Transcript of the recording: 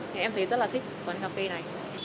thì em thấy rất là thích quán cà phê này